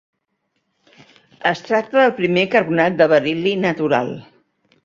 Es tracta del primer carbonat de beril·li natural.